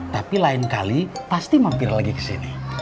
tapi lain kali pasti mampir lagi ke sini